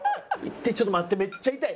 痛いちょっと待ってめっちゃ痛い。